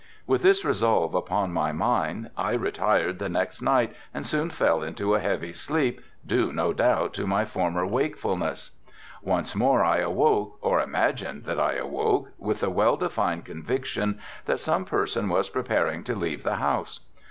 With this resolve upon my mind I retired the next night and soon fell into a heavy sleep, due, no doubt, to my former wakefulness. Once more I awoke, or imagined that I awoke, with the well defined conviction that some person was preparing to leave the house.